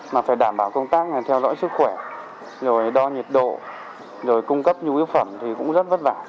mà phải đảm bảo công tác theo dõi sức khỏe rồi đo nhiệt độ rồi cung cấp nhu yếu phẩm thì cũng rất vất vả